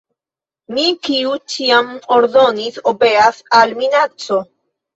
Mi, kiu ĉiam ordonis, obeas al minaco.